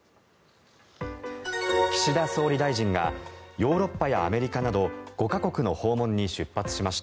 岸田総理大臣がヨーロッパやアメリカなど５か国の訪問に出発しました。